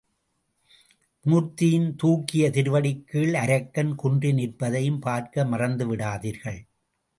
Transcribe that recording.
மூர்த்தியின் தூக்கிய திருவடிக் கீழ் அரக்கன் குன்றி நிற்பதையும் பார்க்க மறந்து விடாதீர்கள்.